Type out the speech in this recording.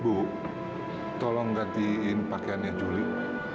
ibu tolong gantiin pakaiannya julie